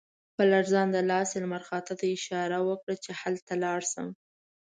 په لړزانده لاس یې لمر خاته ته اشاره وکړه چې هلته لاړ شم.